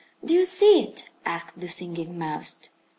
"Do you see it?" asked the Singing Mouse.